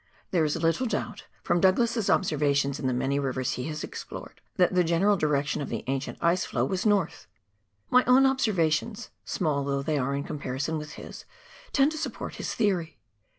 There is little doubt, from Douglas's observations in the many rivers he has explored, that the general direction of the ancient ice flow was north. My own observations — small though they are in comparison with his — tend to support his theory.